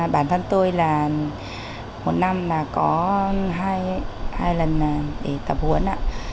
bản văn tôi là một năm có hai lần tập huấn